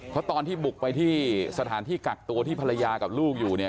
เพราะตอนที่บุกไปที่สถานที่กักตัวที่ภรรยากับลูกอยู่เนี่ย